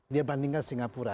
dia bandingkan singapura